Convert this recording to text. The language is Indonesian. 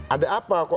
ada apa kok